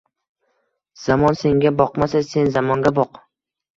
Zamon senga boqmasa, sen zamonga boq.